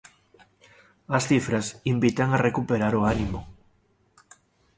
As cifras invitan a recuperar o ánimo.